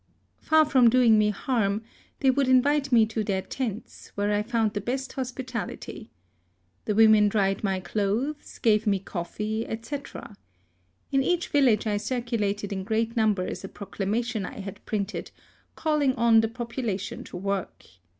Far from doing me harm, they would invite me to their tents, where I found the best hospitality. The women dried my clothes, gave me cojffee, &c. In each village I circulated in great numbers a proclamation I had printed, calling on the population to work.